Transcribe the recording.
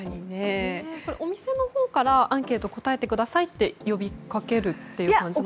お店のほうからアンケート答えてくださいって呼びかけるんですか？